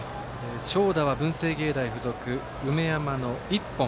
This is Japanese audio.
長打は文星芸大付属梅山の１本。